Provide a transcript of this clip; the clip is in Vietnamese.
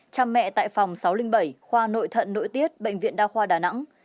cha mẹ tại phòng sáu trăm linh bảy khoa nội thận nội tiết bệnh viện đa khoa đà nẵng